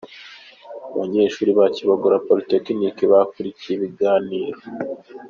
Abanyeshuri ba Kibogora Polytechnic bakurikiye ibiganiro.